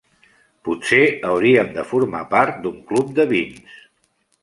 Potser hauríem de formar part d'un club de vins.